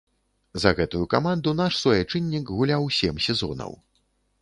За гэтую каманду наш суайчыннік гуляў сем сезонаў.